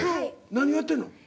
何やってんの？